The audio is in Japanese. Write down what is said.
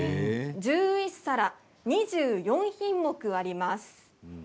１１皿２４品目あります。